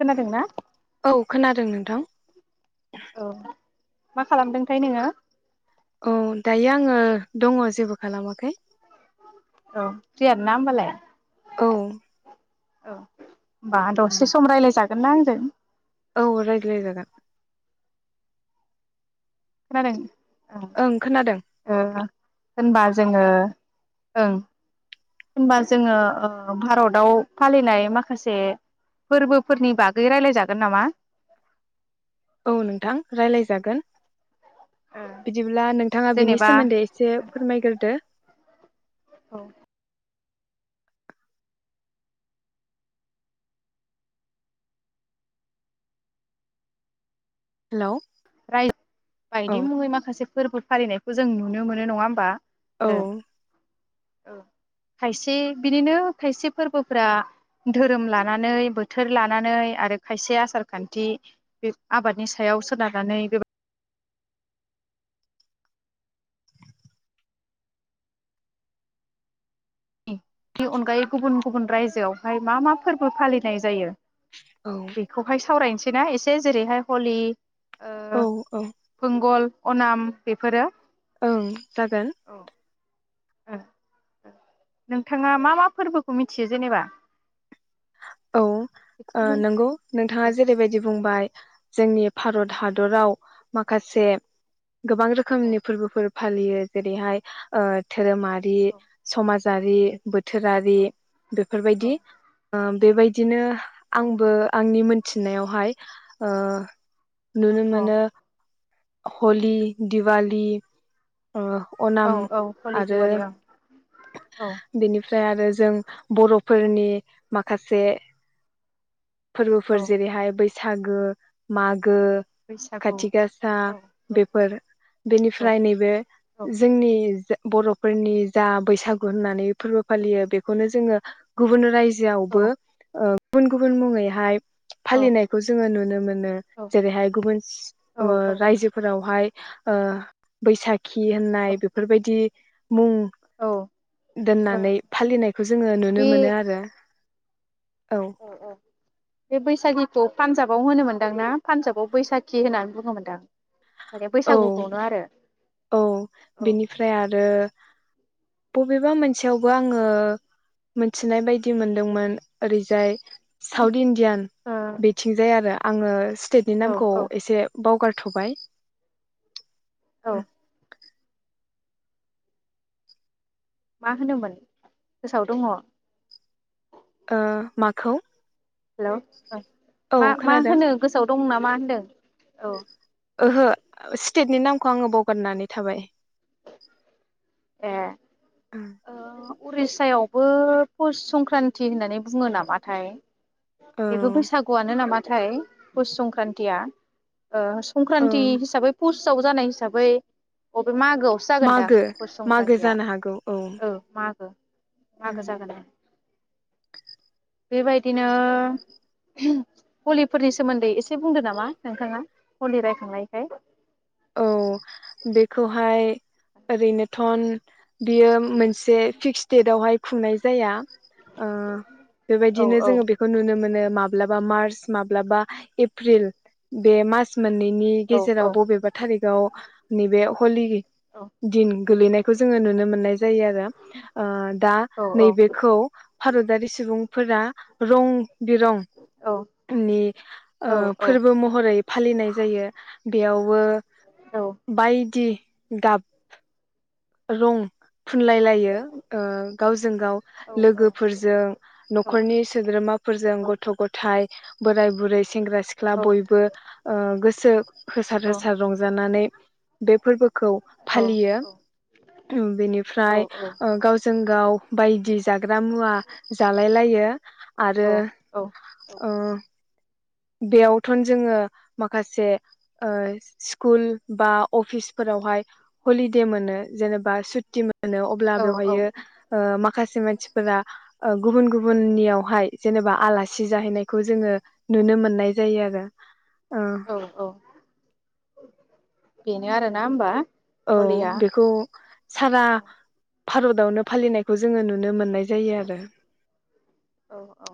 खोनादोंना? जों नोंथां। औ मा खालामदोंथाय नोङो? औ दायो आङो दङ जेबो खालामाखै। औ फ्रिआनो ना होमबालाय। औ। औ। होमबा दसे सम रायज्लाय जा मा होनदों? औ रायज्लायजागोन खोनादों। ओं खोनादों। ओ होनबा जोङो ओं होनबा जोङो भारताव फालिनाय माखासे फोरबोफोरनि बागै रायलायजागोन नामा? औ नोंथां रायलायजागोन। बिदिब्ला नोंथाङा बिनि जेनेबा सोमोन्दै एसे फोरमायग्रोदो। औ हेलौ राय औ बायदि मुङै माखासे फोरबो फालिनायखौ जों नुनो मोनो नङा होमबा? ओ औ औ खायसे बिदिनो खायसे फोरबोफ्रा धोरोम लानानै बोथोर लानानै आरो खायसे आसार खान्थि बे आबादनि सायाव सोनार [unintelligible] नि अनगायै गुबुन गुबुन रायजोआवहाय मा मा फोरबो फालिनाय जायो? औ बेखौहाय सावरायनोसै। [unintelligible] एसे जेरैहाय हलि औ ओ औ फुंगल। अनाम बेफोरो ओं जागोन। औ ओ ओ नोंथाङा मा मा फोरबोखौ मिथियो जेनेबा? औ जिखुनु नंगौ नोंथाङा ओं जेरैबायदि बुंबाय। जोंनि भारत हादराव माखासे गोबां रोखोमनि फोरबोफोर। फालियो जेरैहाय ओ धोरोमारि औ समाज जारि बोथोरारि औ औ बेफोरबायदि। बेबायदिनो आंबो आंनि थिननायावहाय ओ नुनो औ मानो। हलि, दिवालि ओ औ अनाम औ हलि आरो दिवालि औ औ बिनि ओमफ्राय आरो जों बर'फोरनि माखासे फोरबोफोर औ जेरैहाय बैसागु। सागो मागो गो बैसागु खाथि गासा औ औ बेफोर औ बेनिफ्राय नैबे औ जोंनि बर'फोरनि जा बैसागु होननानै फोरबो फालियो बेखौनो जोङो गुबुन रायजो जोआवबो ओ गुबुन गुबुन मुङैहाय औ फालिनायखौ जोङो नुनो मोनो जेरैहाय गुबुन ओ रायजोफोरावहाय ओ बैसाग खि औ होननाय बेफोरबायदि बुं ओ दोननानै फालिनायखौ जोङो बे नुनो मोनो आरो। औ औ बे बैसागिखौ पान्जाबाव होनो मोनदां ना पान्जाबाव बैसाखि होननानै बुङोम मोनदां। औ औ औ बिनिफ्राय आरो बबेबा मोनसेयावबो आङो मोनथिनाय बायदि मोनदोंमोन ओरैजाय साउथ इण्डियान बिथिं जाय आरो आङो सि टेटनि ओ औ नामखौ औ एसे बावगारथबाय। औ मा होनोमोन गोसोआव दङ । ओ माखौ? हेल' ओ औ मा मा खोनादों होनो गोसोआव दं नामा होनदों औ, ओहो स्टेटनि नामखौ आङो बावगारनानै थाबाय। ए, औ ओ उरिस्सायावबो पस संक्रान्ति होननानै बुङो नामाथाय? बेबो बैसागुआनो नामा? नाथाय पुस संक्रान्तिया ओ औ संक्रान्ति हिसाबै फुस फोसाव जानाय हिसाबै मागोआवसो जागोनदां मागो पस मागो संक्रान्तिया जानो हागौ औ मागो मागो जागोन दां। बेबायदिनो ओहोम हलिफोरनि सोमोन्दै एसे बुंदो नामा नोंथाङा हलि रायखांनायखाय औ बेखौहाय ओरैनोथन बियो मोनसे फिक्स डेटवहाय खुंनाय जाया । ओ औ बेबायदिनो जोङो बेखौ नुनो मोनो माब्लाबा मार्स माब्लाबा एप्रिल बे मार्स मोननैनि औ गेजेराव बबेबा [unintelligible] नैबे हलि [unintelligible] औ दिन गोलैनायखौ जोङो नुनो मोननाय जायो आरो ओ दा औ औ नैबेखौ भारतारि सुबुंफोरा रं बिरं औ नि ओ औ फोरबो महरै फालिनाय जायो। बेयावबो औ औ बायदि गाब रं फुनलायलायो ओ गावजों गाव औ लोगोफोरजों नखरनि सोद्रोमाफोरजों गथ गथाइ बोराइ बुरै सेंग्रा सिख्ला बयबो ओ गो सो होसार होसार रंजानानै बे फोरबोखौ फालियो। बेनिफ्राय ओ गावजों गाव ओ बायदि जाग्रा मुवा जालायलायो आरो ओ बेयावथोन जोङो माखासे ओ स्कुल बा अफिसफोरावहाय हलिदे मोनो। जेनेबा सुथि मोनो अब्ला बेवहायो औ ओ मा माखासे मानसिफोरा ओ गुबुन गुबुननियावहाय जेनेबा आलासि जाहैनायखौ जोङो नुनो मोननाय जायो आरो। ओ औ औ बेनो आरोना होमबा? औ हलिया बेखौ सारा औ भारतावनो फालिनायखौ जोङो नुन [inaudible] औ औ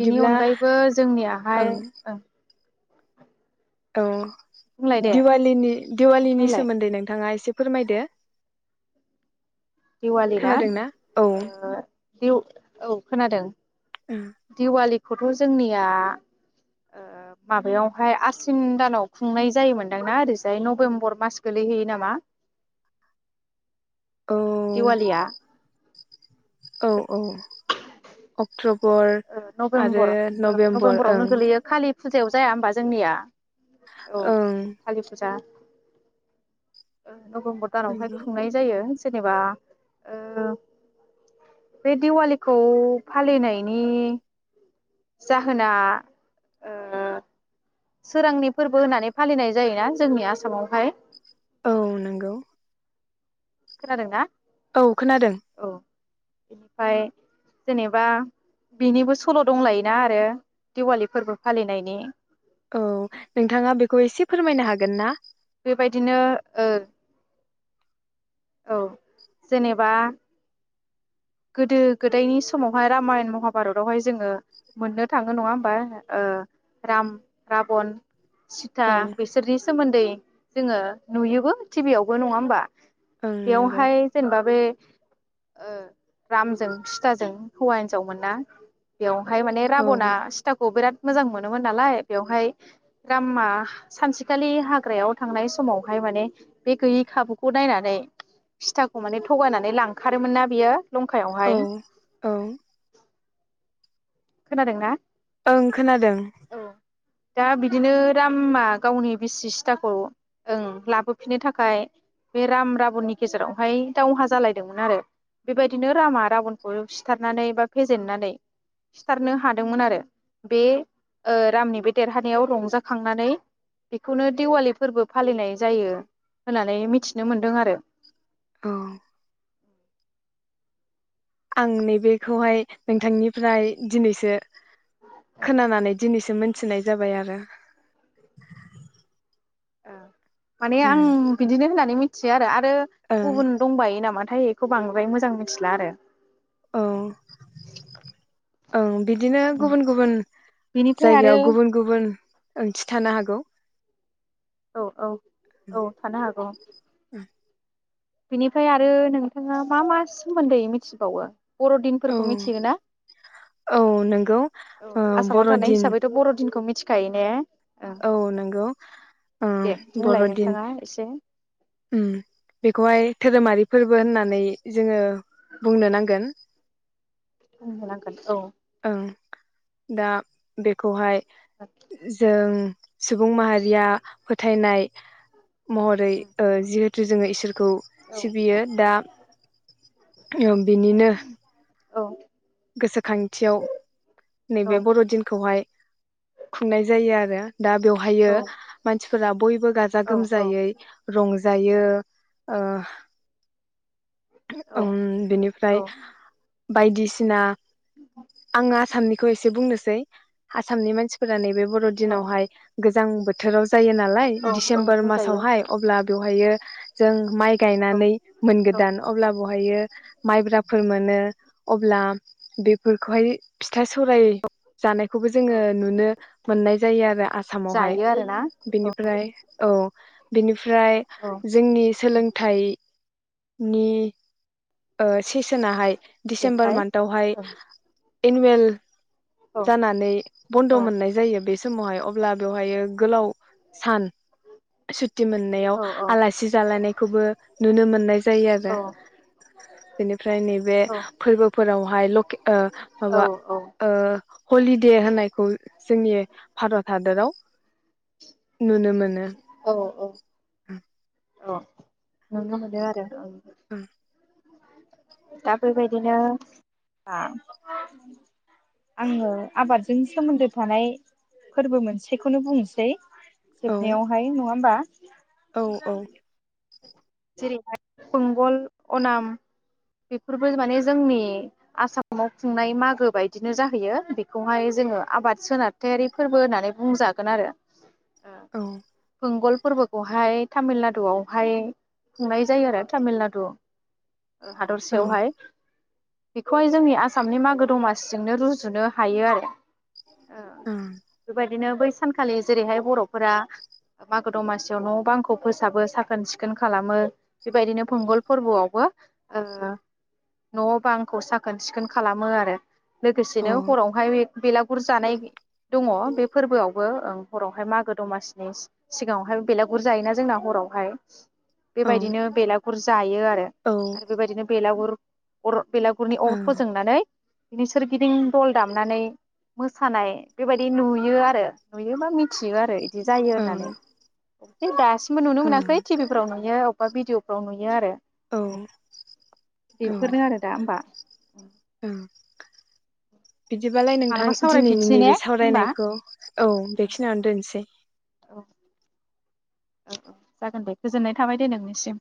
बेनि अनगायैबो जोंनियाहाय ओं औ बुंलाय दे दिवालीनि दिवालीनि बुंलाय सोमोन्दै नोंथाङा एसे फोरमायदो दिवालि ना खोनादोंना औ ओ दिउ औ खोनादों दिवालि खौथ जोंनिया ओ माबायावहाय आसिन दानाव खुंनाय जायोमोनदांना ओरैजाय नबेम्बर मास गोलैहैयो नामा औ दिवालिया औ औ अक्ट बर ओ आरो नभेम्बर ओ नबेम्बर नभेम्बरावनो ओं गोलैयो कालि फुजायाव जाया होमबा जोंनिया औ ओं कालि फुजा नबेम्बर दानावहाय नंगौ खुंनाय जायो । जेनेबा ओ बे दिवालिखौ फालिनाय नि जाहोना ओ सोरांनि फोरबो होननानै फालिनाय जायोना जोंनि आसामावहाय औ नोंगौ। खोनादों ना औ खोनादों। फाय जेनेबा बेनिबो सल' दंलायोना आरो दिवालि फोरबो फालिनायनि औ नोंथाङा बेखौ एसे फोरमायनो हागोन ना। बेबायदिनो ओ औ जेनेबा गोदो गोदायनि समावहाय रामायन महाभारतावहाय जोङो मोननो थाङो नङा होमबा राम राबन। सिथा औ बिसोरनि सोमोन्दै जोङो नुयोबो टिभियावबो नङा होमबा। ओं नंगौ बेयावहाय जेनेबा बे ओ रामजों सिथाजों हौवा हिनजावमोन ना? बेवहाय माने औ राबना सिथाखौ बिराद। मोजां मोनोमोन नालाय बेवहाय रामा सानसेखालि हाग्रायाव थांनाय समावहाय माने बे गैयै खाबुखौ नायनानै सिथाखौ माने थगायनानै लांखारोमोन ना बियो औ लंखायावहाय औ खोनादोंना? ओं खोनादों। दा बिदिनो रामा गावनि बिसि सिथाखौ ओं लाबोफिननो थाखाय बे राम राबननि गेजेरावहाय दावहा जालायदोंमोन आरो बेबायदिनो रामा राबनखौ सिथारनानै बा फेजेननानै। सिथारनो हादोंमोन आरो बे ओ रामनि बे देरहानायाव रंजाखांनानै बेखौनो देवालि फोरबो फालिनाय जायो होननानै मिथिनो मोनदों आरो। औ। आं नैबेखौहाय नोंथांनिफ्राय दिनैसो खोनानानै दिनैसो मोन थिनाय जाबाय आरो ओ माने आं ओं बिदिनो होननानै मि थियो आरो आरो ओं गुबुन दंबायो नामा थाय इखौ बांद्राय मोजां मिथिला आरो अ औ बिदिनो गुबुन गुबुन बेनिफ्राय आरो जायगायाव गुबुन गुबुन ओंथि थानो हागौ औ औ औ थानो हागौ बिनिफ्राय आरो नोंथाङा मा मा सोमोन्दै मिथिबावो? औ बरदिनफोरखौ मिथिगोना औ नंगौ औ ओ आसामाव थानाय बर'दिन हिसाबैथ बरदिनखौ मि थिखायो ने ओं औ नोंगौ‌ ओ दे बुंलाय बरदिन नोंथाङा एसे उम बेखौहाय धोरोमारि फोरबो होननानै जोंङो बुंनो नांगोन बुंनो नांगोन औ ओं दा बेखौहाय जों सुबुं माहारिया फोथायनाइ महरै जिहेतु जोंङो इसोर खौ औ सिबियो दा बिनिनो औ। गोसोखांथियाव औ नैबे बरदिनखौहाय खुंनाय जायो आरो दा औ बेवहायो मानसि फोरा बयबो गाजा औ गोमजायै रंजायो ओ ओम बेनिफ्राय औ बायदिसि सिना आङो आसामनिखौ एसे बुंनोसै आसामनि मानसि फोर नैबे औ बरदिनावहाय गोजां बोथोराव जायो नालाय औ औ डिसेम्बर बुंजायो मासावहाय अब्ला बेव ओमफायो जों माइ औ गायनानै औ मोनगोदान अब्ला बहायो माइब्राफोर मोनो अब्ला बेफोरखौहाय फि फिथा सौराय जानायखौबो जोङो औ नुनो मोननाय जायोआरो आसामावहाय जायो आरोना औ बेनिफ्राय औ बेनिफ्राय औ जोंनि औ सोलोंथाइ नि सेसोनाहाय डिसेम्बर बेनिफ्राय मान बहाय औ इनवेल औ औ जानानै बन्द औ मोननाय जायो बेस समावहाय अब्ला बेवहायो गोलाव सान सुत्ति मोननायाव औ औ आलासि जालायनायखौबो नुनो मोननाय जायो आरो बेनिफ्राय नैबे फोर्बो फ बेवहाय लके ओ माबा ओ हलिडे होननायखौ जोंनि भारत हादराव नुनो मोनो अ नुनो मोनोआरो ओं उम दा बैबायदिनो आ आङो आबादजों सोमोन्दो थानाय फोरबो मोनसेखौनो बुंसै औ जोबनायावहाय नङा होमबा। औ औ जों जेरैहाय फंगल अनाम बेफोरबो माने जोंनि आसामाव खुंनाय मागो बायदिनो जाहैयो बेखौहाय जोङो आबाद सोनारथायारि फोरबो होननानै बुंजागोन आरो औ मंगल फोरबोखौहाय तामिल नाडुआवहाय खुंनाय जायो आरो तामिलनाडु ओ औ हादरसायावहाय बेखौहाय जोंनि आसामनि मागो दमासिजोंनो रुजुनो हायो आरो ओ ओं गोबाय बिदिनो बै सानखालि जेरैहाय बर'फोरा मागो द'मासियाव न' बांखौ फोसाबो साखोन सिखोन खालामो बेबायदिनो फुंगल फोरबोआवबो न'आव बांखौ साखोन सिखोन खालामो आरो लोगोसेनो हरावहाय बे बेलागुर जानाय दङ बे फोरबोआवबो हरावहाय मागो दमासिनि सि-सिगाङावहाय बेलागुर जायोना जोंना हरावहाय बेबायदिनो बेला बुरजाय यो औ ओं आरो बेबायदिनो बेलागुर [unintelligible] बेलागुरनि अर ओं फोजोंनानै बिनि सोरगिदिं दल दामनानै मोसानाय बेबायदि नुयो आरो नुयोबा मिथियो आ बिदि जायो होननानै [unintelligible] दासिम बो नुनो मोनाखै ओं टिभिफोराव नुयो बा भिडिअ'फ्राव नुयो आरो औ [inaudible] औ बेफोरनो आरो दा होमबा । ओम ओं । बिदिबालाय नोंथां मालाबा दिनैनि सावरायफिनसै ने नैबे होमबा सावरायनायखौ औ बेखिनियावनो दोननोसै औ औ जागोन दे गोजोननाय थाबाय दे नोंनिसिम।